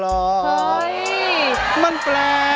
โทษให้โทษให้โทษให้